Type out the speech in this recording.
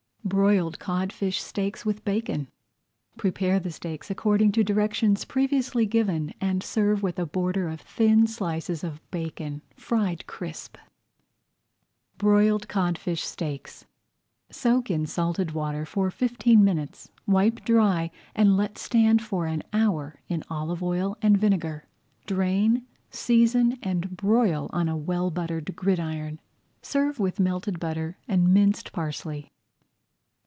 BROILED CODFISH STEAKS WITH BACON Prepare the steaks according to directions previously given and serve with a border of thin slices of bacon fried crisp. [Page 108] BROILED CODFISH STEAKS Soak in salted water for fifteen minutes, wipe dry, and let stand for an hour in olive oil and vinegar. Drain, season, and broil on a well buttered gridiron. Serve with melted butter and minced parsley.